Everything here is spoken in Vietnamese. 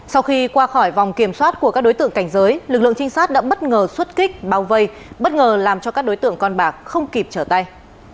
sau khi qua khỏi vòng kiểm soát của các đối tượng cảnh giới lực lượng trinh sát đã bất ngờ xuất kích bao vây bất ngờ làm cho các đối tượng con bạc không kịp trở tay